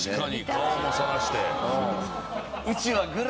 顔もさらして。